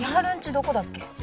どこだっけ？